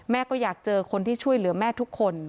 ก็อยากเจอคนที่ช่วยเหลือแม่ทุกคน